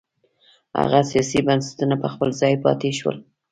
هغه سیاسي بنسټونه په خپل ځای پاتې شول.